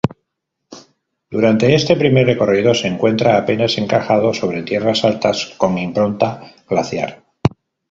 Durante este primer recorrido se encuentra apenas encajado sobre tierras altas con impronta glaciar.